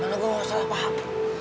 karena gue gak salah paham